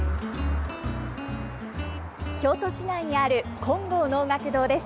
京都市内にある金剛能楽堂です。